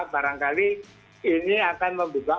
barangkali ini akan membuka